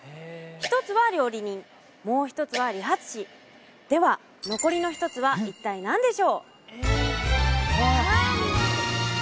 一つは料理人もう一つは理髪師では残りの一つは一体何でしょう？